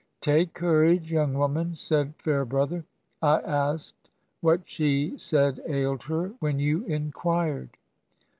'Take courage, young woman,' said Fairbrother. 'I asked what she said ailed her when you inquired.